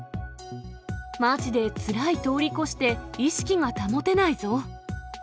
まじでつらい通り越して、意識が保てないぞ。